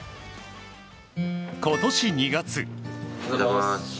今年２月。